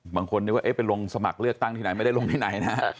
บางคนนึกว่าไปลงสมัครเลือกตั้งที่ไหนไม่ได้ลงที่ไหนนะ